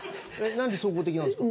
何で総合的なんですか？